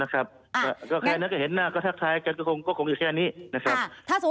ใครนั้นก็เห็นหน้าก็ทักทายกันก็คงอยู่แค่นี้นะครับ